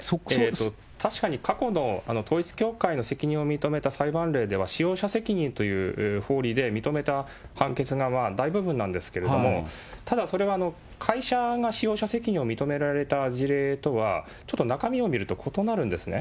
確かに、過去の統一教会の責任を認めた裁判例では、使用者責任という法理で認めた判決が大部分なんですけれども、ただそれは、会社が使用者責任を認められた事例とは、ちょっと中身を見ると異なるんですね。